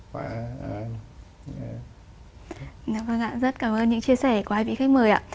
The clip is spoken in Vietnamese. vâng ạ rất cảm ơn những chia sẻ của hai vị khách mời ạ